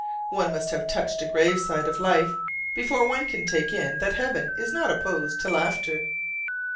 One must have touched a grave side of life before one can take in that Heaven is not opposed to laughter.